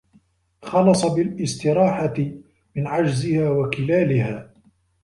خَلَصَ بِالِاسْتِرَاحَةِ مِنْ عَجْزِهَا وَكَلَالِهَا